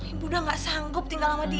ibu udah gak sanggup tinggal sama dia